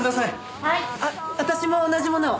私も同じものを。